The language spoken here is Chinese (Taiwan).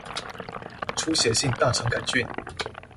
出血性大腸桿菌